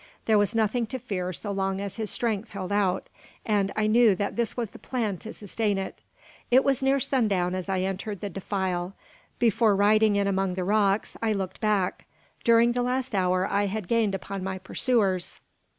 There was nothing to fear so long as his strength held out, and I knew that this was the plan to sustain it. It was near sundown as I entered the defile. Before riding in among the rocks I looked back. During the last hour I had gained upon my pursuers.